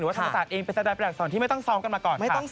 หรือว่าธรรมศาสตร์เองเป็นสแตนแปลกสอนที่ไม่ต้องซ้อมกันมาก่อนค่ะ